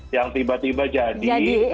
yang tiba tiba jadi